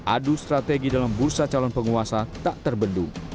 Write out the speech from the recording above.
adu strategi dalam bursa calon penguasa tak terbendung